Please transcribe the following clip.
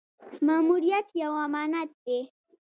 ماموریت یو امانت دی